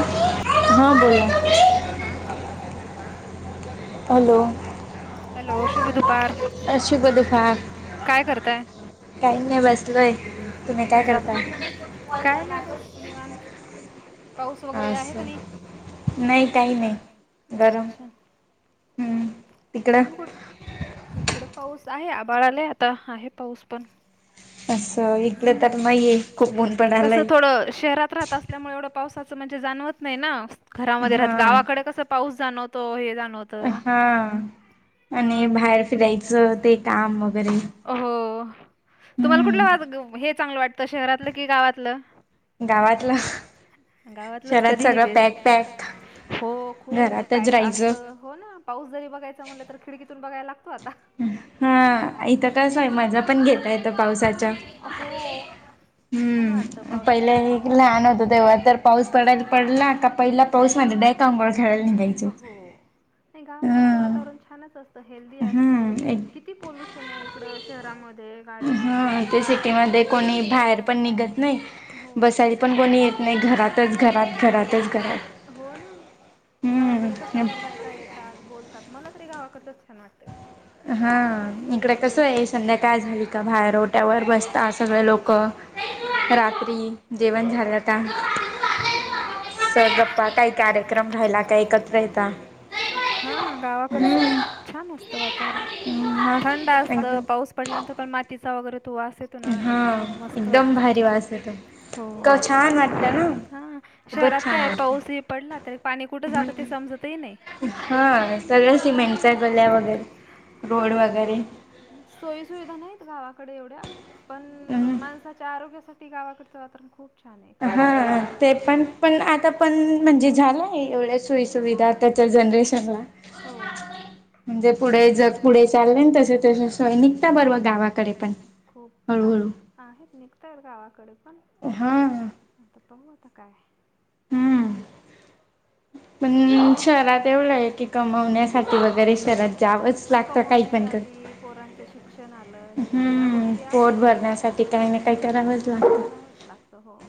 Hello ह हां बोला शुभ दुपार हलो हॅलो शुभ दुपार काय करतय नाही बस काय नाही बस निवांत [inaudible] पाऊस वगैरे आहे क नाही नाही काही नाही कुठ इकड पाऊ पाऊस आहे आबाळालाय आता आहे पाऊस पण कस थोडं शहरात राहत असल्यामुळे एवढं पावसाच म्हणजे जाणवत नाही ना घरामध्ये राह गावाकडे कस पाऊस जाणवतो हे जाणव हा आणि बाहेर फिरायचं ते काम वगैरे तुम्हाला कुठलं वा हे चांगलं वाटतं शहरातलं की गावातलं गावाात गावातलंच कधीही वेसत हो खूप अस हो ना पाऊस जरी बघायचं म्हणलं तर खिडकीतून बघायला लागतो आता हा इथ तसय मजा पण घेता येत पावसाच्या हो छान वाटतं पावसा महि आनत होत तर पाऊस पडायला पडला का पहिला पाऊस नाही डय कांघोळा खेळायला हो नाही गावाकडचं वातावरण छानच असत हेल्दी असतं किती पॉल्युशन आहे इकड शहरामध्ये गाड्या तितक्या कारखा्या कोणी बाहेर पण निघत नाही बसायला पण कोणी येत नाही नाही घरातच घरात घरातच घरात हो ना गावाकडे कस चार बायका येतात बोलतात मला तरी गावाकडच छान वाटते वातवरण हा आहे संध्याकाय झाली का बाहेरोट्यावर बसतात सगळे लोक हो रात्री जेवण झालं त्या हो ना गप्पा का कार्यक्रम राला कात हा गावाकडच छान असत थंड असत पाऊस पडल्यानंतर पण मातीचा वगैरे तू वास येतो ना एकदम मस्त वाटत हो हा शहरात काय पाऊस ह पडला तरी पाणी कुठे जात ते समजतही नाही हा सगळ्या सिमेंटच्या गल्या वगैरे गरे सोयी सुविधा नाहीत गावाकडे एवढ्या पण माणसाच्या आरोग्यासाठी गावाकडचं वातावरण खूप छान हा ते पण पण आ पण म्हणजे झालाय एवढ्या सोयी सुविधा त्या जनरेशन हो म्हणजे पुढे जग पुढे चालल तसे तस सैनिकता बरवा गावाकडे पण हळू आहेत निघतय गावाकडे ण ह त पह त काय ह पण शहरात एवढ आहे की कमवण्यासाठी वगैरे शहरात जावंच लागतं काही पण पोरांचे शिक्षण आलंया हे ते गोष्टी आहे पोट भरण्यासाठी काही न काही व लागोव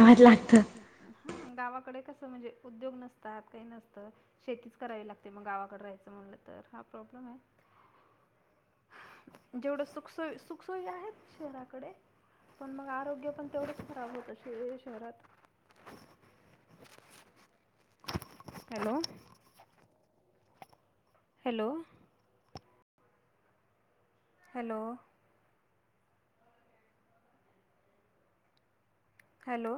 लाग गा कडे म्हणजे कसं उद्योग नसतातकाही नसतंशेतीच करायला लागते म गावाकडे राहायचं म्हणल तर प्रॉब्लेम आहे जेवढ सुखसो सुखसोय आहेत शहराकडे पण मग आरोग्य पण तेवढच खराब होत श शहरात हॅलो हॅलो हॅलो हॅलो!